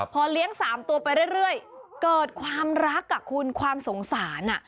พอเลี้ยง๓ตัวไปเรื่อยเกิดความรักคุณความสงสาร